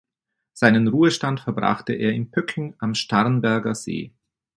Seinen Ruhestand verbrachte er in Pöcking am Starnberger See.